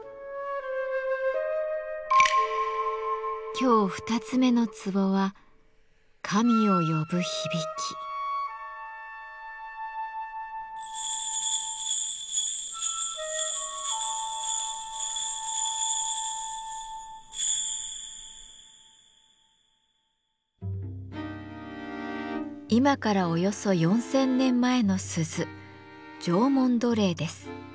今日２つ目の壺は今からおよそ４，０００年前の鈴縄文土鈴です。